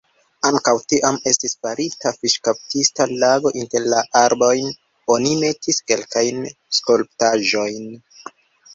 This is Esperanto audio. Ankaŭ tiam estis farita fiŝkaptista lago, inter la arbojn oni metis kelkajn skulptaĵojn.